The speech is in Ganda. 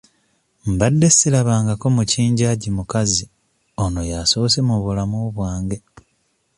Mbadde sirabangako mukinjaagi mukazi ono y'asoose mu bulamu bwange.